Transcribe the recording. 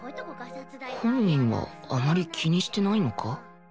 本人はあまり気にしてないのか？